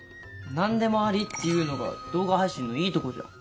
何でもありっていうのが動画配信のいいとこじゃん。